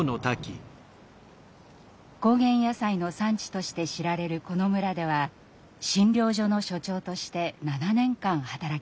高原野菜の産地として知られるこの村では診療所の所長として７年間働きました。